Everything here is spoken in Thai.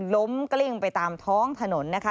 ล้มกลิ้งไปตามท้องถนนนะคะ